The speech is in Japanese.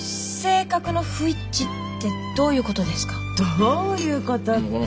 どういうことって。